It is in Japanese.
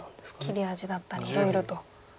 切り味だったりいろいろと。